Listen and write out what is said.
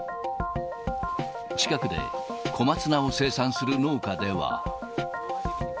近くで小松菜を生産する農家では。